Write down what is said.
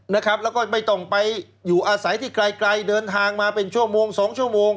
นะครับแล้วก็ไม่ต้องไปอยู่อาศัยที่ไกลเดินทางมาเป็นชั่วโมง